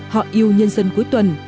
họ yêu nhân dân cuối tuần